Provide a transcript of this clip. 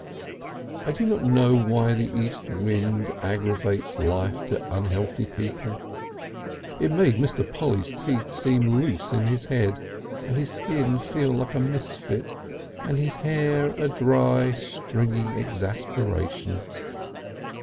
I do not know why the east wind aggravates life to unhealthy people. It made Mr. Polly's teeth seem loose in his head, and his skin feel like a misfit, and his hair a dry, stringy exasperation....